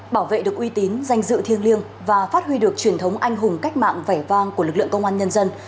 bảo vệ được uy tín danh dự thiêng liêng và phát huy được truyền thống anh hùng cách mạng vẻ vang của lực lượng công an nhân dân